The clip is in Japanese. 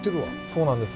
そうなんです。